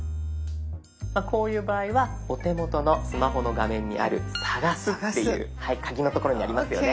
こういう場合はお手元のスマホの画面にある「探す」っていう「カギ」の所にありますよね。